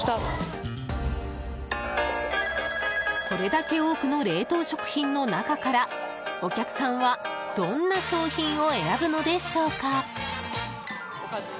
これだけ多くの冷凍食品の中からお客さんはどんな商品を選ぶのでしょうか。